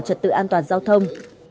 trật tự an toàn giao thông